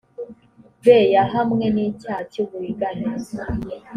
b yahamwe n icyaha cy uburiganya